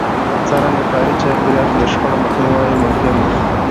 څرنګه کاري چاپېريال کې د شخړو مخنيوی ممکن دی؟